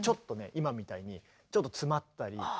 今みたいにちょっと詰まったり。